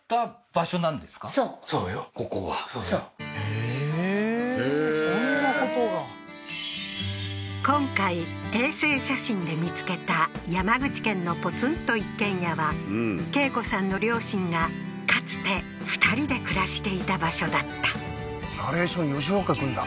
へえーそんなことが今回衛星写真で見つけた山口県のポツンと一軒家は恵子さんの両親がかつてふたりで暮らしていた場所だったナレーション吉岡君だ